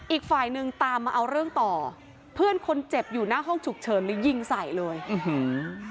อีกฝ่ายหนึ่งตามมาเอาเรื่องต่อเพื่อนคนเจ็บอยู่หน้าห้องฉุกเฉินเลยยิงใส่เลยอื้อหือ